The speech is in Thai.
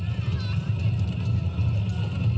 สวัสดีครับทุกคน